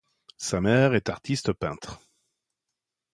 Sa mère est artiste peintre.